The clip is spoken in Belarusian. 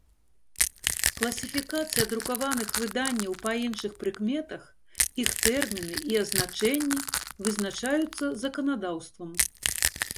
Класiфiкацыя друкаваных выданняў па iншых прыкметах, iх тэрмiны i азначэннi вызначаюцца заканадаўствам.